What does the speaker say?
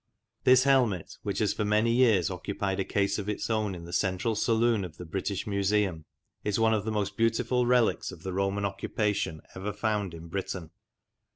This helmet, which has for many years occupied a case of its own in the central saloon of the British Museum, is one of the most beautiful relics of the Roman occupation ever found in Britain.